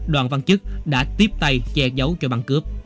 đoàn văn chức đã tiếp tay che giấu cho băng cướp